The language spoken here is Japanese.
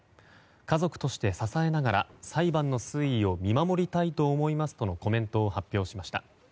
家族として支えながら裁判の推移を見守りたいと思いますとのコメントを発表しました。